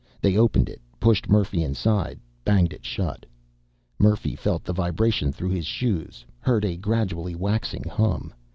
They opened it, pushed Murphy inside, banged it shut. Murphy felt the vibration through his shoes, heard a gradually waxing hum.